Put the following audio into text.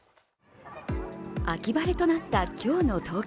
秋晴れとなった今日の東京。